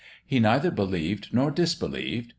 He neither believed nor disbelieved.